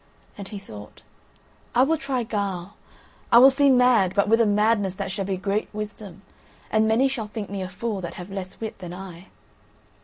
And he thought, "I will try guile. I will seem mad, but with a madness that shall be great wisdom. And many shall think me a fool that have less wit than I."